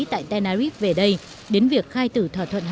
tại tenerif về đây đến việc khai tử thỏa thuận